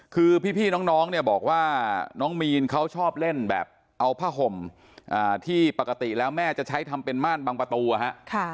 คือพี่น้องเนี่ยบอกว่าน้องมีนเขาชอบเล่นแบบเอาผ้าห่มที่ปกติแล้วแม่จะใช้ทำเป็นม่านบางประตูนะฮะ